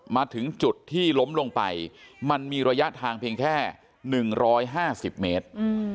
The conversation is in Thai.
มาถึงจุดที่ล้มลงไปมันมีระยะทางเพียงแค่๑๕๐เมตร